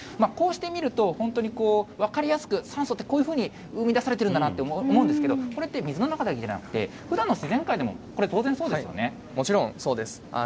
こうして見ると、本当に分かりやすく、酸素ってこういうふうに生み出されているんだなと思うんですけど、これって、水の中だけじゃなくて、ふだんの自然界でも、もちろんそうです。